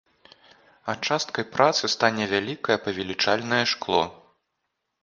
А часткай працы стане вялікае павелічальнае шкло.